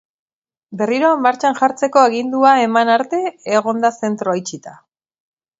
Berriro martxan jartzeko agindua eman arte egongo da zentroa itxita.